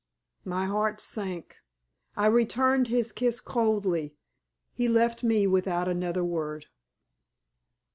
My heart sank. I returned his kiss coldly. He left me without another word.